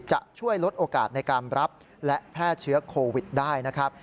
จะช่วยลดโอกาสในการรับและแพร่เชื้อโควิดได้นะครับ